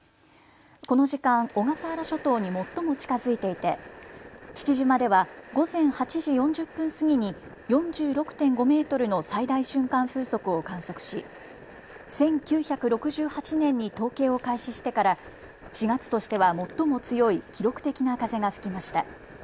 この時間、小笠原諸島に最も近づいていて父島では午前８時４０分過ぎに４６．５メートルの最大瞬間風速を観測し１９６８年に統計を開始してから４月としては最も強い記録的な風が吹きました。